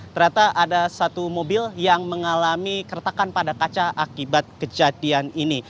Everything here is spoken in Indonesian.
ternyata ada satu mobil yang mengalami keretakan pada kaca akibat kejadian ini